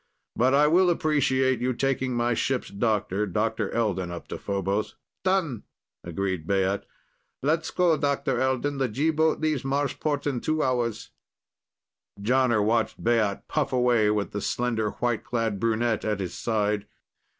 But I will appreciate your taking my ship's doctor, Dr. Elden, up to Phobos." "Done!" agreed Baat. "Let's go, Dr. Elden. The G boat leaves Marsport in two hours." Jonner watched Baat puff away, with the slender, white clad brunette at his side.